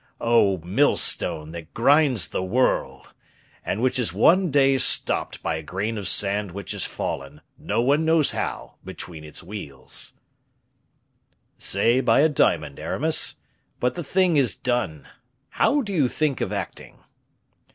Oh, millstone that grinds the world! and which is one day stopped by a grain of sand which has fallen, no one knows how, between its wheels." "Say by a diamond, Aramis. But the thing is done. How do you think of acting?"